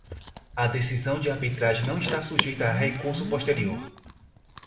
A decisão de arbitragem não está sujeita a recurso posterior.